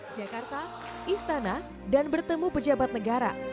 jakarta istana dan bertemu pejabat negara